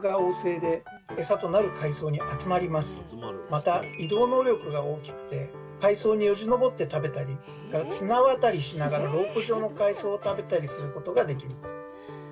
また移動能力が大きくて海藻によじ登って食べたり綱渡りしながらロープ状の海藻を食べたりすることができます。